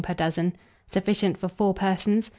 per dozen. Sufficient for 4 persons.